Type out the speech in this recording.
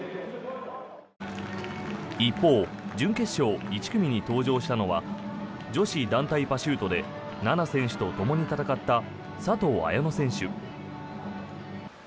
一方準決勝１組に登場したのは女子団体パシュートで菜那選手とともに戦った佐藤綾乃選手。